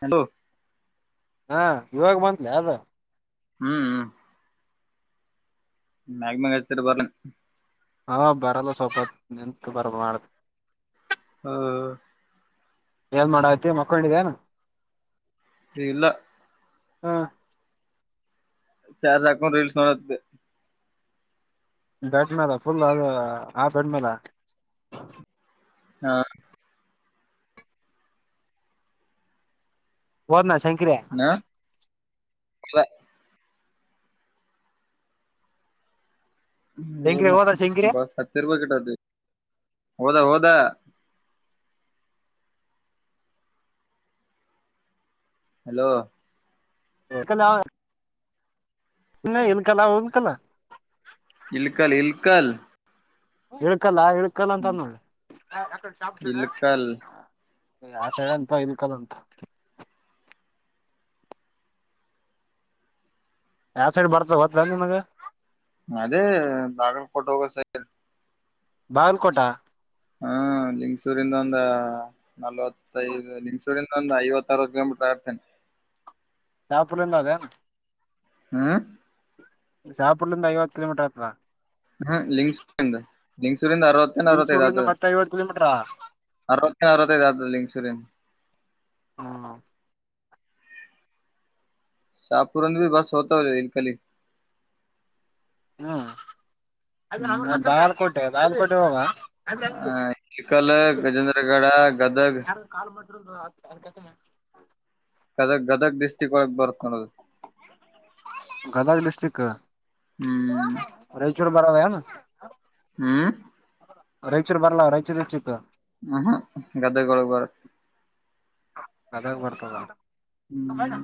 Hello ಹಾ ಇವಾಗ ಬಂತ್ಲ ಅ ಹ್ಮ್ ಹ್ಮ್ ಮಗಮ ಕಚರ್ ಬ [unintelligible] ಹಾ ಬರಲ್ಲ ಸ್ವಲ್ಪ ನಿಂತು ಬರ್ ಮಾಡ್ದ ಹ್ಮ ಏಲ್ ಮಾಡೈತಿ ಮಾಕೊಂಡೇನ್ ಇಲ್ಲ ಹಾ ಚಾರ್ ಜಕೊಂಡ ರೀಲ್ಸ್ ನೊ [unintelligible] ಬೆಟ್ ಮೇಲೆ ಫುಲ್ ಅದು ಹಾಫ್ ಎಟ್ ಮೇಲೆ ಹಾ ಹೋದ್ನ ಶಂಕ್ರಿ ಅಲ್ಲ ಶಂಕರಿ ಹೋದ್ಲು ಹೋದ ಶಂಕರಿ ಬಸ್ ಹತ್ತಿರ್ಪಾಯ ಕಟತಿ ಹೋದಾ ಹೋದಾ ಹಲೋ ಕಲ ಆ ನ ಇಕಲ ಇಕಲ್ಲ ಇಲ್ಕಲ್ ಇಲ್ಕಲ್ ಇಳ್ಕಲ್ಲ ಇಳ್ಕಲ್ಲ ಅಂತನು ಇಲ್ಕಲ್ ಆ ಚಳ ಅಂತ ಇ ಕಲ್ಲಂತ ಯಾವ ಸೈಡ್ ಬರ್ತಾವ ಹತ್ರ ನಿಮಗ ಅದೇ ಬಾಗಲ್ಕೋಟ ಹೋಗ ಸ ಬಾಗಲ್ಕೋಟ ಹಾ ಲಿಂಗಸೂರಿಂದ ಒಂದ ನಲವತ್ತೈದು ನಿಮ್ಸೂರಿಂದ ಒಂದು್ ಐವತ್ತಾರ ಕಿಲೋಮೀಟರ್ ಆರ್ತೇನೆ ಆಾಪುರಂತ ಅದೇ ಹ್ಮ ಶಾಪುರ್ಲಿಂದ ಐವತ್ತು ಕಿಲೋಮೀಟರ್ ಆತ್ದ್ ಹಾ ಲಿಂಗಸ್ ಲಿಂಗ್ ಸುರಂದ ಅರವತ್ತನ ಅರವತ್ತಗತ ಬಿನ್ಸೂರ್ಲಿಂದ ಮತ್ತೆ ಐವತ್ತು ಕಿಲೋಮೀಟರ್ ಅರವತ್ತಿನ ಅರವತ್ತಗತಲ್ಲಿಂಗ ಸುರಂದ್ ಹ್ಮ ಶಾಪುರಂದ ಭ ಬಸ ಹತ ಇಲ್ಕಲಿ ಹ್ಮ್ ಹ್ಮ್ ಬಲ್ಕೋಟೆ ಬಾಲ್ಕೋಟೆ ಹುವ ಹ ಇಲ್ಕಲ್ ಗಜೇಂದ್ರಗಡ ಗದಗ್ [inaudible] ಗದಗ್ ಗದಗ್ ದೃಷ್ಟಿ ಒಳಗ್ ಬರುತ್ ನೋಡದು ಗದ ಡಿಸ್ಟಕ್ ಹ್ಮ್ ರಾಯಚೂ ಬಾರ ಹ್ಮ್ ರೈಚೂರ್ ಬರ್ಲ ರೈಚೂರು ಹೆಚ್ಚಿತ್ತು ಹ್ಮ್ ಹು ಹಾ ಗದ್ದಗೊಳಗ್ ಬರುತ್ತೆ ಅದಾಗ ಬರ್ತದ ಹ್ಮ್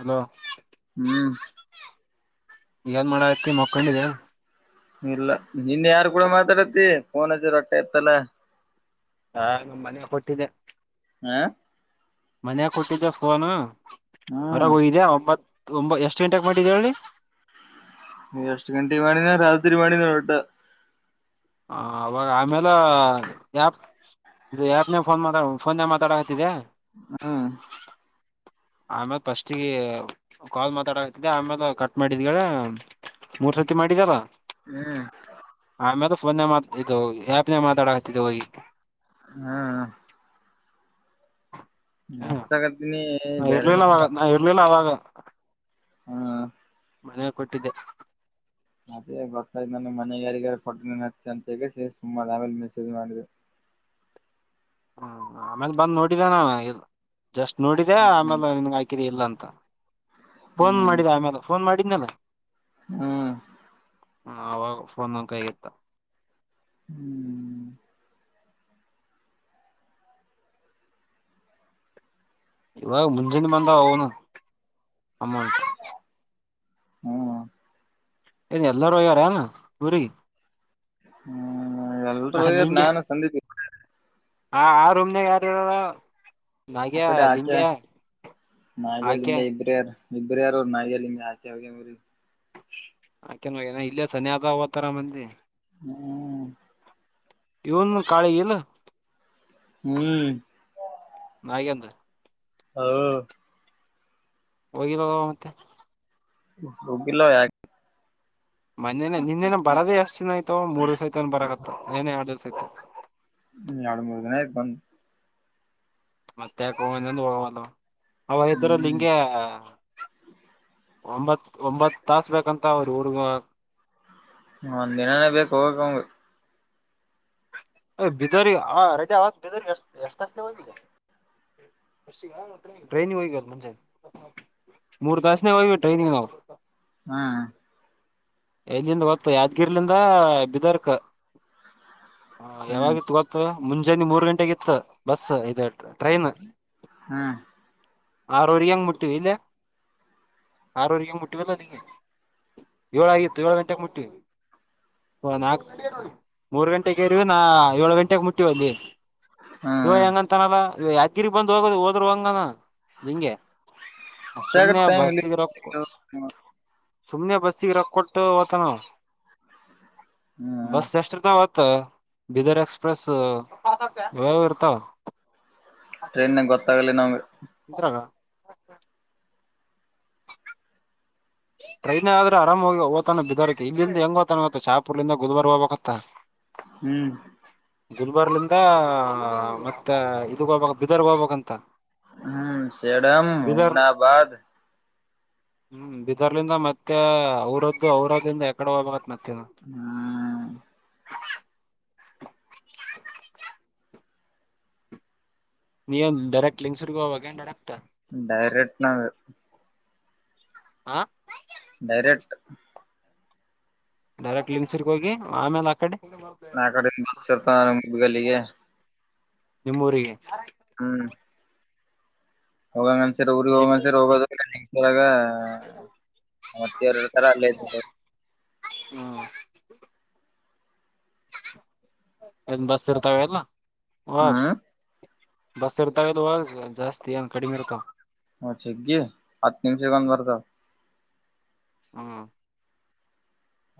ಅಲೋ ಹ್ಮ್ ಏನ್ ಮಾಡಕತಿ ಮಕ್ಕೊಂಡಿದ. ಇಲ್ಲ ನಿನ್ ಯಾರ್ ಕೂಡ ಮಾತಾಡತಿ ಫೋನಜರು ಹೂಟ್ಟೆ ಎತ್ತಲ್ಲ. ಹಾ ನಿಮ್ ಮನಿ ಕೊಟಿದೆ. ಹ ಮನ್ಯಾಗೆ ಕೊಟ್ಟಿದ್ದೆ ಫೋನ್ ಹೊರಗೆ ಹಯ್ದ ಒಂಬತ್ ತವಂಬ ಎಷ್ಟ ಗಂಟೆಗ್ ಮಾಡಿದರ್ ಹೇಳಿ. ನೀ ಎಷ್ಟ ಗಂಟಿಗ್ ಮಾಡಿದ ರಾತ್ರಿ ಮಾಡಿದ ವಟ್ಟಾ. ಹ ಅವಾಗ ಆಮೇಲೆ ಯ ಇದು ಯಪ್ನ ಫೋನ್ ಮಾಡವು ಫೋನ್ದೆ ಮಾತಾಡಕತಿದ್ಯಾ. ಹ್ಮ ಆಮೇಲ್ ಫಸ್ಟ್ಗೆ ಕಾಲ್ ಮಾತಾಡಕ್ತಿದ್ದ ಆಮೇಲೆ ಕಟ್ ಮಾಡಿದ್ಳ. ಮೂರ್ ಸರ್ತಿ ಮಾಡಿದರ. ಹ್ಮ್ ಆಮೇಲೆ ಫೋನ್ ನ ಮಾ ಇದು ಆ್ಯಪ್ನ ಮಾತಾಡಕತಿದೆ ಹೋಗಿ. ಹ್ಮ್ ಹ್ಮ್ ಹ ಅತ್ಸಗತ್ನಿ. ನಾ ಇರ್ಲಿಲ್ಲ ಅವಾಗ ನಾ ಇರ್ಲಿಲ್ಲ ಅವಾಗ. ಹಾ ಮನೆ ಕೊಟ್ಟಿದ್ದೆ. ಅದೇ ಗೊತ್ತಾಯತ ನನ್ನ ಮನೆಗಾರಿಗಾರ ಪಟ ನ ಅಂತ ಸುಮ್ಮ ಆವೇಲೆ ಮೆಸೇಜ್ ಮಾಡಿದೆ. [inaudible] ಹ್ಮ ಆಮೇಲ್ ಬಂದ್ ನೋಡಿದ ನಾನು ಇ ಜಸ್ಟ್ ನೋಡಿದೆ ಹ್ಮ್ ಆಮೇಲೆ ನಿನ್ ಹಾಕಿದೆ ಇಲ್ಲಂತ. ಫೋನ್ ಹ್ಮ್ ಮಾಡಿದ ಆಮೇಲೆ ಫೋನ್ ಮಾಡಿದ್ನಲ್ಲ. ಹ್ಮ್ ಹ ಅವಾಗ ಫೋನ ಕೈಗೆತ್ತ. ಹ್ಮ್ ಇವಾಗ ಮುಂಜಾನೆ ಬಂದ ಅವ್ನು ಅಮೌಂಟ್. ಹ್ಮ ಇದು ಎಲ್ಲಾರೂ ಹೋಗ್ಯಾರೆನ ಊರಿಗೆ. ಹ್ಮ್ ಎಲ್ರು ಹೋಗ್ಯಾರೆ ನಾನು ಸಂದಿಪ್ ಇಬ್ರೇ. ಹಾ ಆ ರೂಮ್ನ್ಯಾಗ್ ಯಾರಿರೋ. ಆ ಕಡೆ ಆಕೆ ಆಕೆ ನಾಗಲ್ಲಿಂದ ಇದ್ರೆ. ಇಬ್ರ ಯಾರು ನಾಯಲ್ಮ್ ಆಚೆ ಹೋಗ್ಯವಿರಿ. ಯಾಕೆನ ಇಲ್ಲೇ ಸನ್ಯ ಆದ ವತಾರ ಮಂದಿ. ಹು ಇವನ್ನು ಕಳೆ ಇಲ್ಲ. ಹ್ಮ್ ನಾಗೇಂದ್ರ ಹ ಹೋಗಿಲೋವ. ಹೋಗಿಲ್ಲ ಯಾಕ್. ಮೊನೆ ನಿನ್ನೇನ ಬರೋದ ಎಷ್ಟ ಜಿನ ಆಯ್ತೋ ಮೂರ್ ದಿವಸಕೆನ್ ಬರಕತೊ ನೇನೆ ಎರ್ಡ ದಿವ್ಸ ಆಯ್ತ. ಹ್ಮ ಎರ್ಡ ಮೂರ್ ದಿನ ಆಯ್ತ್ ಬಂದು. ಮತ್ತೆ ಯಾಕ್ ಹೋಗಂಗಿಲ್ಲ ಅವಾಗ್ ಇದ್ರಲ್ಲ ಹ್ಮ್ ಹಿಂಗೆ. ಒಂಬತ್ ಒಂಬತ್ ತಾಸ್ ಬೇಕಂತ ಅವ್ರ ಹುಡುಗ. ಒಂದ್ ದಿನಾನೇ ಬೇಕು ಹೋಗಕ್ ಅವಂಗ. ಬಿಜೋರಿ ಹ ರಜ [unintelligible] ಟ್ರೈನಿಗ್ ಹೋಗ್ಯಾರ್ ಮುಂದೆ. ಮೂರ್ ಬ್ಯಾಚ್ನಾಗ್ ಹೋಗ್ವಿ ಟ್ರೈನಿಂಗ್ ನಾವು. ಹಾ ಎಲ್ಲಿಂದ ಗತ್ತು ಯಾದ್ಗಿರ್ಲಿಂದ ಬಿದರ್ಕ ಹಾ ಹ್ಮ್ ಯಾವಾಗಿತ್ತು ಗೊತ್ತು ಮುಂಜಾನೆ ಮೂರ್ ಗಂಟೆಗ ಇತ್ತು ಬಸ್ ಇ ಟ್ರೈನ್ ಹಾ ಆರರೆಗೆ ಅಂಗ್ ಮುಟ್ಟವಿ ಇಲ್ಲ ಆರವರೆಗ ಮುಟ್ಟಿವಲ್ಲ ನಿಗೆ ಏಳ ಆಾಗಿತ್ತು ಏಳು ಗಂಟೆೆಗೆ ಮುಟ್ಟಿವವಿ ಹ ನಾಕ ಗ ಮೂರ್ ಗಂಟೆೆಗೆ ರಿ ನಾ ಏಳ ಗಂಟೆಗೆ ಮುಟ್ಟಿವ ಅಲ್ಲಿ ಇವ ಹ್ಮ್ ಹೆಂಗಂತನಲ್ಲ ಇವ ಯಾದಗಿರಿ ಬಂದ್ ಹೋಗೋದು ಹೋದ್ರು ಹಂಗನ ನಿಂಗೆ ಅಷ್ಟೇ ಆಗತ್ ಸುಮ್ನೆ ಟೈಮ್ ಇಲ್ಲಿ ಬಸ್ಸಿಗ್ ರೊಕ್ ಸುಮ್ನೆ ಬಸ್ಸಿಗೆ ರೊಕ್ಕ ಕೊಟ್ಟು ತ ನ ಹ್ಮ್ ಬಸ್ ಎಷ್ಟ ಬೀದರ್ ಎಕ್ಸ್ಪ್ರೆಸ್ ವರ್ತ ಟ್ರೈನ್ ಗೊತ್ತಾಗಲಿ ನಮ್ಗೆ ಹ ಹಾ ಹ ಟ್ರೈನ್ ಆದ್ರೆ ಆರಾಮೋಗ ಓತಾನ ಬಿದಾರ ಇಲ್ಲಿಂದ ಹೆಂಗ ್ತಾನತ್ತ ಚಾಪುರ್ದಂದ ಗುಧವಾರ ಹೋಗಬೇಕತ್ತ ಹ್ಮ್ ಗಲ್ಬಾರ್ಲಿಂದ ಮತ್ತೆ ಇದಗ ಹೋಗಬಕ್ ಬಿದರ್ಗ್ ಹೋಗಬಬೇಕಕ್ಂತ ಹ್ಮ್ ಸೇಡಮ ಉನಾಬಾದ ಹ್ಮ್ ಬಿದರ್ಲಿಂದ ಮತ್ತೆ ಅವ್ರದ್ದು ಅವ್ರದ್ದಿಂದ ಎಕಡೆ ಹೋಗ್ಬೇಕತ್ ಮತ್ತೆ ನ್ನು ಹ್ಮ್ ನೀ ಒಂದು ಡೈರೆಕ್ಟ್ ಲಿಂಕ್ಸುರ್ಗ ಹಾಗ ಡರೆಕ್ ಡೈರೆಕ್ಟ್ನಾದು ಹಾ ಡೈರೆಕ್ಟ್ ಡೈರೆಕ್ಟ್ ಲಿಂಗಸಿರ್ಗ್ ಹೋಗಿ ಆಮೇಲೆ ಆ ಕಡೆ ಆ ಕಡೆ ಬಸ್ ಇರ್ತ ಮು್ದ್ಗಲ್ಲಿಗೆ ನಿಮ್ಮೂರಿಗೆ ಹ್ಮ್ ಹೋಗಂಗಂದನ್ಸರ್ ಊ್ರ ಹ್ಮ್ ಹೋಗನ್ಸರಿ ಹೋಗದಸರಾಗ ಮತ್ತರರ ತರ ಅಲ್ಲೇ ಇದ ಹ್ಮ ನ್ ಬಸ್ ಇರ್ತಾವ ಅಲ್ ಹಾ ಬಸ್ ಇರ್ತದುುವ ಜಾಸ್ತಿ ಏನ್ ಕಡಿಮೆ ಇರ್ತಾವ ಹ ಚಗ್ಗಿ ಹತ್ತು ನಿಮಿಷಗಂದು ಬರ್ತ ಹಾ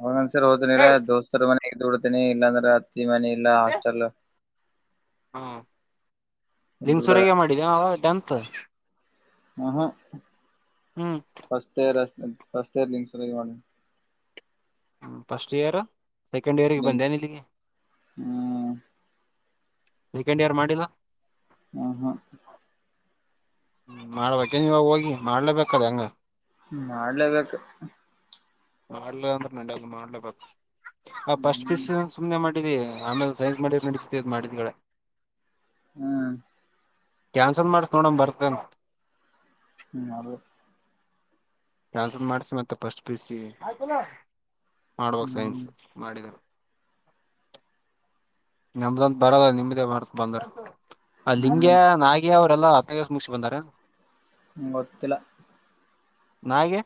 ಹೊಂದ್ ಸರ್ ಹೋ್ತನಿಲ್ಲ ದೋಸ್ತರ್ ಮನಡ್ತೇನಿ ಇಲ್ಲಾಂದ್ರೆ ಅತ್ತಿ ಮನ ಇಲ್ಲ ಹಾಸ್ಟೆಲ್ ಹಾ ದುಡ ನಿಮಸುರೆಗೆ ಮಾಡಿದ್ದೇ ಅವ ಅಂತ ಹ ಹ ಬಸ್ತೆ ರತೆ ಸ್ರ್ಲಿಂಗ ಸ [unintelligible] ಹ್ಮ ಫಸ್ಟ್ ಇಯರ್ ಸೆಕೆಂಡ್ ಇಯರ್ಗೆ ಬಂದ ನಿಲ್ಲಿಗೆ ಹ್ಮ ಸೆಕೆಂಡ್ ಇಯರ್ ಮಾಡಿಲ್ಲ ಹ ಹ ಮಾಡ್ಬೇಕೆ ನೀವ ಹೋಗಿ ಮಾಡ್ಲೇಬೇಕದ ಹಂಗ ಮಾಡ್ಲೇಬೇಕು ಮಾಳ ಮಾ ಪಸ್ಟ್ ಹ್ಮ್ ಪೀಸ್ ಸುಮ್ಮನೆ ಮಾಡವಿ ಆಮೇಲೆ ಸೈನ್ಸ್ ಮಾಡಿದ ನಡತ ಮಾಡಿದ್ಡೆ ಹ್ಮ್ ಕ್ಯಾನ್ಸಲ್ ಮಾಡಸ ನೋಡಮ ಬರ್ತನ್ ಹ್ಮ್ ಹೌದು. [unintelligible] ಮಾಡಿಸ್ಯಾನ್ ಅಂತ್ ಫಸ್ಟ್ ಪಿಸಿ ಮಾಡಬೇಕ್ ಸೈನ್ಸ್ ಹ್ಮ್ ಮಾಡಿದ್ರ ನಮ್ದಂತ ಬರಲ್ಲ ನಿಮ್ದೇ ಮಾಡ್ತೇನ್ ಬಂದರ ಆ ಲಿಂಗ್ಯಾ ಹ್ಮ್ ನಾಗ್ಯಾ ಅವರ ಎಲ್ಲಾ [unintelligible] ಮುಗ್ಸಿ ಬಂದಾರ ಏನ್ ಹ್ಮ ಗೊತ್ತಿಲ್ಲ. ನಾಯಗೆ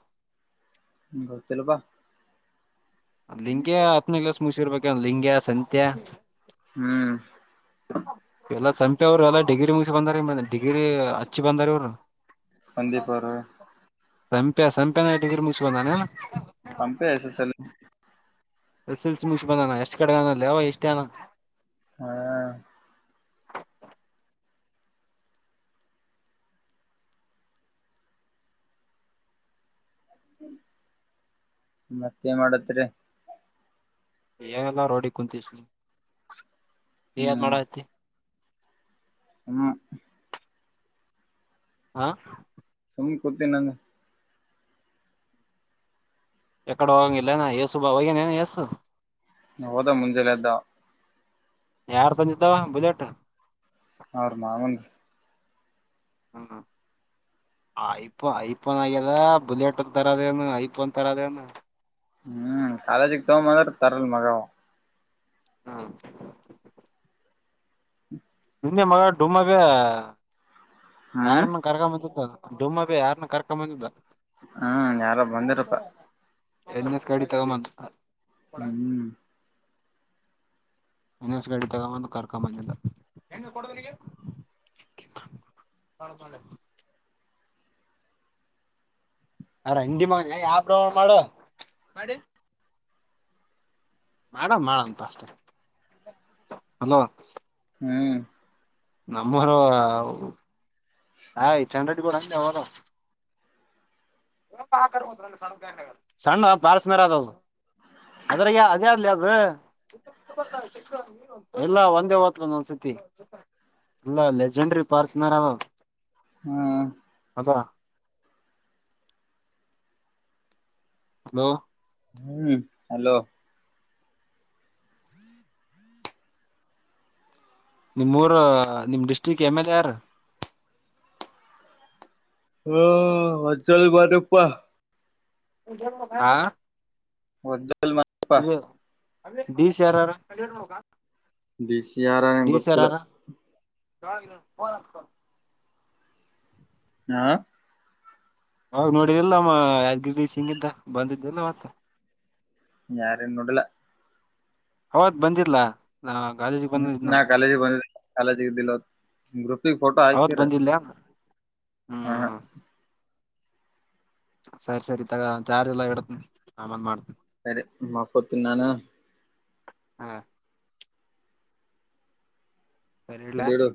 ಹ್ಮ ಗೊತ್ತಿಲ್ಲ ಬಾ. ಲಿಂಗ್ಯ ಹತ್ತನೇ ಕ್ಲಾಸ್ ಮುಗಸರ್ಬೇಕ ಏನ್ ಲಿಂಗ್ಯ ಸಂತ್ಯ. ಹ್ಮ್ ಎಲ್ಲಾ ಸಂಪಿ ಅವ್ರ ಎಲ್ಲಾ ಡಿಗ್ರಿ ಮುಗಸಿ ಬಂದಾರ ಡಿಗ್ರಿ ಹಚ್ಚಿ ಬಂದಾರ ಇವ್ರು. ಸಂದಿಪೊರ ಸಂಪ್ಯ ಸಂಪ್ಯಾನ ಡಿಗ್ರಿ ಮುಗಿಸಿ ಬಂದಾನ ಏನ್. ಪಂಪೆ ಎಸ್ ಎಸ್ ಎಲ್ ಎಸ್ಸೆಲ್ಸಿ ಮುಗ್ಸಿ ಬಂದಾನ ಎಷ್ಟ್ ಕಡೆಗ ಅದಾನ್ಲೆ ಅವ ಇಷ್ಟೇ ಹನಾ. ಹಾ ಮತ್ತೇನ ಮಾಡತ್ತಿರಿ. ಏನಿಲ್ಲ ರೋಡಿಗ್ ಕುಂತಿನಿ ನೀ ಏನ್ ಮಾಡಕತ್ತಿ. ಹ ಹಾ ಸುಮ್ಮ ಕುತ್ತಿನ್ ನಾನ್. ಎಕಡ ಹೋಗಂಗಿಲ್ಲೆನ್ ಯಸುಬಾ ಹೋಗ್ಯಾನ್ ಏನ್ ಎಸು. ಹೋದಾ ಮುಂಜ್ಯಲೇ ಎದ್ದ ಅವ್. ಯಾರ ತಂದಿದ್ದ ಅವಾ ಬುಲೆಟ್. ಅವ್ರ ಮಾವಂದ. ಹ್ಮ ಐಫೋ ಐಫೋನ್ ಆಗ್ಯದ ಬುಲೆಟ್ ತರದೇನು ಐಫೋನ್ ತರದೇನು. ಹ್ಮ್ ಕಾಲೇಜಿಗ ತೋ ಬಾ ಅಂದ್ರ ತರಲ್ಲ ಮಗಾ ಅವ. ಹಾ ನಿನ್ನೆ ಮಗ ಡುಮ್ಮಗ್ ಹ್ಮ್ ಯಾರನ್ನ ಕರ್ಕ ಬಂದಿದ್ದ ಅಲ್. ಡುಮ್ಮಗ್ ಯಾರನ್ನ ಕರ್ಕ ಬಂದಿದ್ದ. ಹ್ಮ ಯಾರೊ ಬಂದಿರಪ್ಪಾ. ಎನ್ ಎಸ್ ಗಾಡಿ ತೊಗೊಬಂದ ಹ್ಮ್ ಎನ್ ಎಸ್ ಗಾಡಿ ತಗೊಬಂದ ಕರ್ಕ ಬಂದಿದ್ದ. [unintelligible] [unintelligible] ಮಾಡ ಮಾಡಂತ ಅಷ್ಟೆ ಅಲೋ. ಹ್ಮ್ ನಮ್ಮರು ಹ ಇ ಚನ್ ರೆಡ್ಡಿ ಗೌಡ [unintelligible] [unintelligible] ಎಲ್ಲಾ ಒಂದೇ ಹೊತದ ಒಂದೊಂದ್ಸತಿ. ಅಲ್ಲ ಲೆಜೆಂಡರಿ ಫಾರ್ಚೂನ್ರ ಆದ ಅದ. ಹಾ [unintelligible] ಹಲೋ ಹ್ಮ್ ಹಲೋ ನಿಮ್ಮೂರ ನಿಮ್ ಡಿಸ್ಟ್ರಿಕ್ ಎಮ್ ಎಲ್ ಎ ಯಾರ? ಹ್ಮ ಅಜ್ಜಲ್ ಬಾರಪ್ಪಾ. ಆ ವಜ್ಜಲ್ ಮಾರಪ್ಪ ಡಿ ಸಿ ಯಾರ ಹಾರ? ಡಿ ಸಿ ಯಾರ ಹಾನ್ ಗೊತ್ತಿಲ್ಲ. ಹಾಗಿ ಹ ಹಾ ಅವಾಗ ನೋಡಿದ್ದಲ್ಲಮ್ಮ ಯದ್ಗಿಬೀ ಸಿಂಗ ಇದ್ದ ಬಂದಿದ್ದೆಲ್ಲ ಮತ್ತ ಯಾರೇನ ನೋಡಿಲ್ಲ ಹವತ್ ಬಂದಿತ್ಲಾ ಹ್ಮ ನಾ ಕಾಲೇಜಗ ಬಂದಿದ್ ಕಾಲೇಜ್ಗ್ ಇದ್ದಿಲ್ಲ ಅವತ್ ನಿ ಗ್ರೂಪಿಗೆ ಫೋಟೋ ಹಾಕಿರ ಹ್ಮ ಹ ಸರಿ ಸರಿ ತಗ ಚಾರ್ಜ್ ಇಲ್ಲಾ ಇಡತನ ಆಮೇಲ್ ಮಾಡ್ತೇನ್. ಸರಿ ಮಾ ಕೊತ ನಾನು ಹಾ ಸರಿ ಇಡ್ಲ ಇಡು ಇಡು